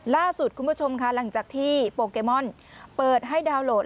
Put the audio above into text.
ล่าสุดคุณผู้ชมค่ะหลังจากที่โปเกมอนเปิดให้ดาวน์โหลด